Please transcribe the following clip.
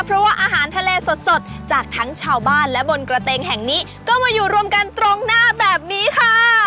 เพราะว่าอาหารทะเลสดจากทั้งชาวบ้านและบนกระเตงแห่งนี้ก็มาอยู่รวมกันตรงหน้าแบบนี้ค่ะ